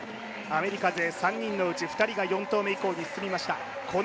アメリカ勢３人のうち２人が４投目以降に進みました。